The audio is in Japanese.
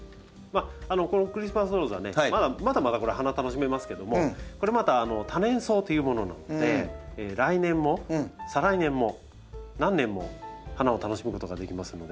クリスマスローズはねまだまだ花楽しめますけどもこれまた多年草というものなので来年も再来年も何年も花を楽しむことができますので。